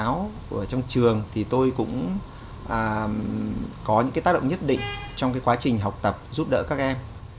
ở trong trường thì tôi cũng có những tác động nhất định trong quá trình học tập giúp đỡ các em